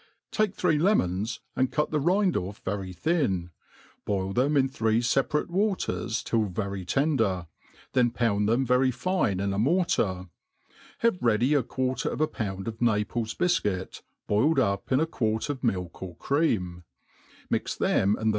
TAKE three lemons, and cut the rind off very thin, boil |hem in three feparate waters till very tender, 0en pound them. ytry fine in a mortar; have ready a quarter of a pound of Naples bifcuit, boiled up in a quart of milk or cream ; mix them and tbe